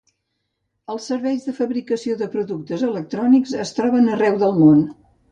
Els serveis de fabricació de productes electrònics es troben arreu del món.